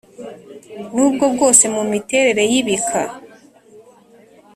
N’ubwo bwose mu miterere y’ibika